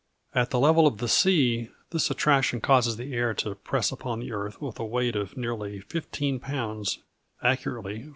At the level of the sea, this attraction causes the air to press upon the earth with a weight of nearly fifteen pounds (accurately, 14.